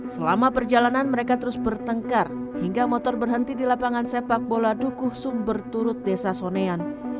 selama perjalanan mereka terus bertengkar hingga motor berhenti di lapangan sepak bola dukuh sumber turut desa sonean